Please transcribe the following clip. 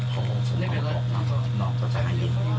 แต่นี่หายแล้วนะ